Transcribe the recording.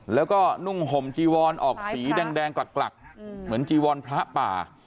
แล้วก็นุ่งห่มจีวอนออกสีแดงกลักเหมือนจีวรพระป่า